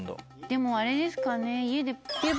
でもあれですかね。